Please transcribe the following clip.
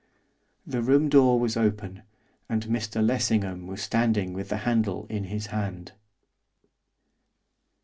The room door was open, and Mr Lessingham was standing with the handle in his hand.